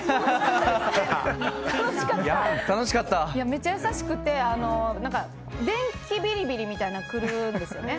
めっちゃ優しくて電気ビリビリみたいなのが来るんですよね。